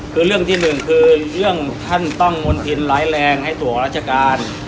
คือเรื่องที่หนึ่งคือเรื่องท่านต้องมณฑินร้ายแรงให้ตัวราชการ